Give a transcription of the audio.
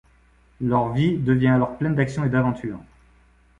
Leur vie devient alors pleine d'action et d'aventures.